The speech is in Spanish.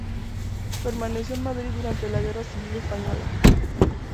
Permaneció en Madrid durante la guerra civil española.